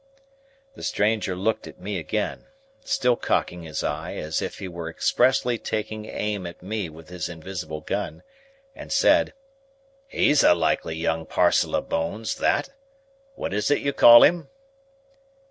The stranger looked at me again,—still cocking his eye, as if he were expressly taking aim at me with his invisible gun,—and said, "He's a likely young parcel of bones that. What is it you call him?"